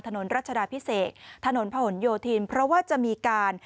รัชดาพิเศษถนนพะหนโยธินเพราะว่าจะมีการ